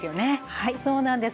はいそうなんです。